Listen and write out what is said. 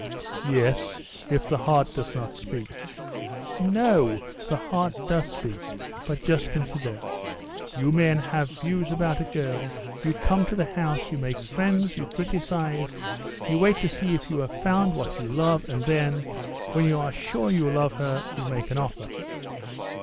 "Yes, if the heart does not speak...." "No, the heart does speak; but just consider: you men have views about a girl, you come to the house, you make friends, you criticize, you wait to see if you have found what you love, and then, when you are sure you love her, you make an offer...."